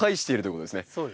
そうですね。